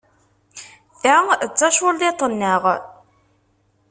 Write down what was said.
Ta d taculliḍt-nneɣ.